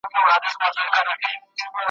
په دې دنیا نیمــــگړي به زما سره نور څه کړي